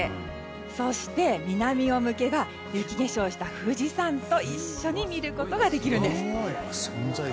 そして、南を向けば雪化粧をした富士山と一緒に見ることができるんです。